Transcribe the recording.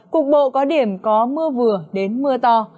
cục bộ có điểm có mưa vừa đến mưa to